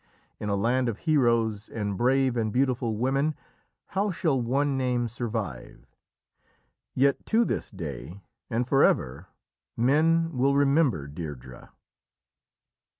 In a land of heroes and brave and beautiful women, how shall one name survive? Yet to this day and for ever, men will remember Deirdrê...."